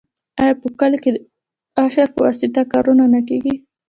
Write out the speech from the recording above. آیا په کلیو کې د اشر په واسطه کارونه نه کیږي؟